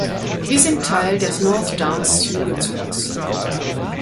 Sie sind Teil des North-Downs-Hügelzuges.